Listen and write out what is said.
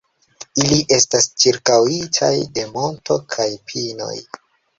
Ili estas ĉirkaŭitaj de monto kaj pinoj.